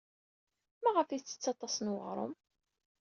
Maɣef ay tettett aṭas n uɣrum?